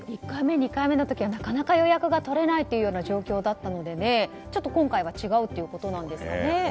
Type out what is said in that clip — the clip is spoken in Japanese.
１回目、２回目の時はなかなか予約が取れないという状況だったので今回は違うということなんですかね。